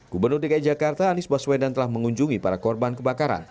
gubernur dki jakarta anies baswedan telah mengunjungi para korban kebakaran